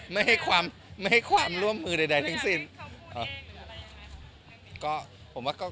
ไม่ให้ความร่วมมือใดทั้งสิทธิ์